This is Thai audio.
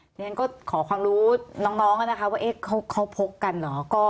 ฉะนั้นก็ขอความรู้น้องนะคะว่าเอ๊ะเขาพกกันหรอ